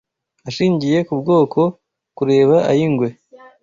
ashingiye ku bwoko, kureba ay’ingwe